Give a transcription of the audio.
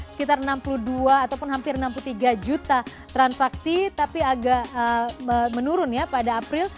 sekitar enam puluh dua ataupun hampir enam puluh tiga juta transaksi tapi agak menurun ya pada april